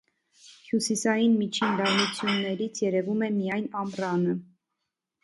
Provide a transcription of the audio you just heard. Հյուսիսային միջին լայնություններից երևում է միայն ամռանը։